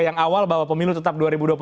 yang awal bahwa pemilu tetap dua ribu dua puluh